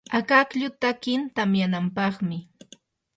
akaklluy takin tamyanampaqmi.